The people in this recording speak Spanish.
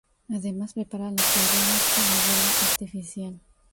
Además, preparan los terrones o la hierba artificial